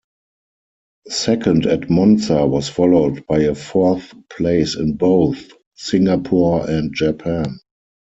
Second at Monza was followed by a fourth place in both Singapore and Japan.